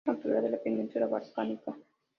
Es natural de la península balcánica.